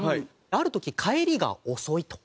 ある時帰りが遅いと。